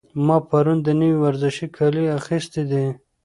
ما پرون د نوي ورزشي کالي اخیستي دي.